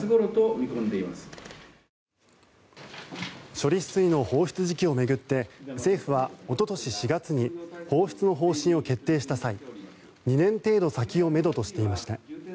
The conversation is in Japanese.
処理水の放出時期を巡って政府はおととし４月に放出の方針を決定した際２年程度先をめどとしていました。